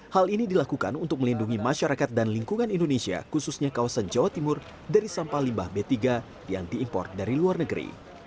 hal ini dilakukan untuk melindungi masyarakat dan lingkungan indonesia khususnya kawasan jawa timur dari sampah limbah b tiga yang diimpor dari luar negeri